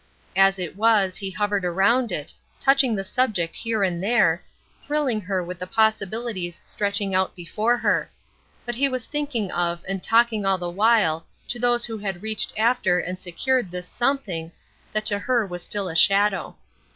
As it was he hovered around it, touching the subject here and there, thrilling her with the possibilities stretching out before her; but he was thinking of and talking all the while to those who had reached after and secured this "something" that to her was still a shadow.